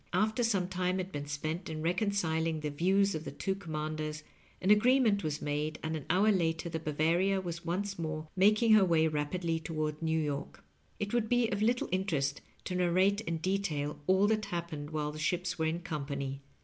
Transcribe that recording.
After some time had been spent in reconciling the views of the two command ers, an agreement was made, and an honr later the Ba^oaria was once more making Jier way rapidly toward New York. It would be of little interest to narrate in detail all that happened while the ships were in company.